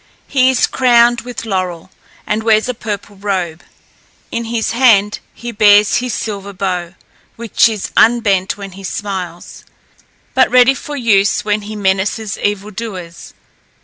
He is crowned with laurel, and wears a purple robe; in his hand he bears his silver bow, which is unbent when he smiles, but ready for use when he menaces evil doers.